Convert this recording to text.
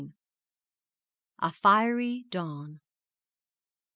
A FIERY DAWN.